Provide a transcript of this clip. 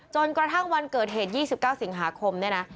จนกระทั่งวันเกิดเหตุ๒๙สิงหาคมเนี่ยนะ